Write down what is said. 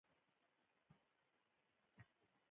د دې حدیث بله بڼه ډایري هم ده.